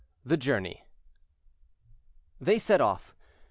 THE JOURNEY. They set off.